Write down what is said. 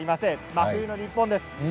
真冬の日本です。